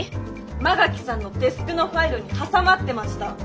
馬垣さんのデスクのファイルに挟まってました！